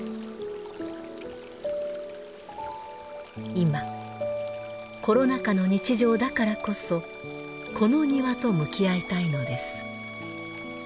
今コロナ禍の日常だからこそこの庭と向き合いたいのです。